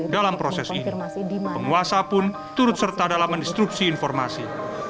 dalam proses ini penguasa pun turut serta dalam mendistruksi informasi